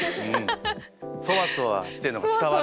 そわそわしてるのが伝わる。